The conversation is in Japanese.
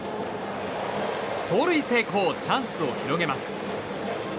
盗塁成功、チャンスを広げます。